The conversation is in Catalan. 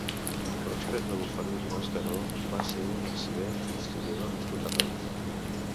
Pròsper de Bofarull i Mascaró va ser un arxiver i historiador nascut a Reus.